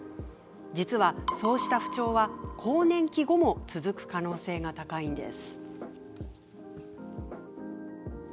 実は、そうした不調は更年期後も続く可能性が高いんです。